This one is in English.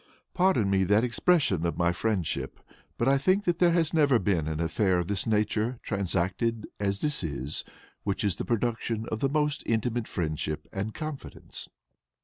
Pardon me that expression of my friendship. But I think that there has never been an affair of this nature transacted as this is; which is the production of the most intimate friendship and confidence.